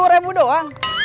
lima puluh ribu doang